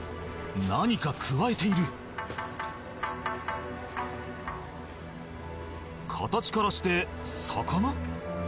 何かくわえている形からして魚？